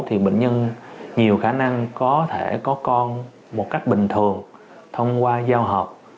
thì bệnh nhân nhiều khả năng có thể có con một cách bình thường thông qua giao hợp